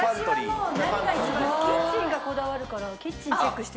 私はもう何が一番ってキッチンがこだわるからキッチンチェックして。